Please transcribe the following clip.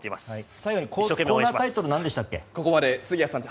最後にコーナータイトル何でしたっけ？